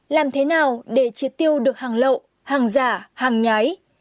làm thế nào để triệt tiêu được hàng lậu hàng giả hàng nhái